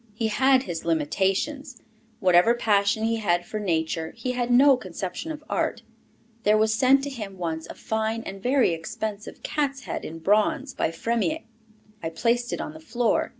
He had his limitations. Whatever passion he had for nature, he had no conception of art. There was sent to him once a fine and very expressive cat's head in bronze, by Frémiet. I placed it on the floor.